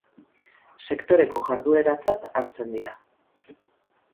sektoreko jardueratzat hartzen dira